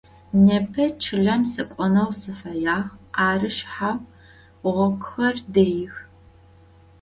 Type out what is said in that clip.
Nêpe çılem sık'oneu sıfeyağ, arı şshay ğoguxer deix.